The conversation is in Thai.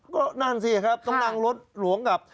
ก็นั่นสิครับต้องนั่งรถหลวงกับ